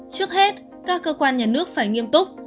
trước hết các cơ quan nhà nước phải nghiêm túc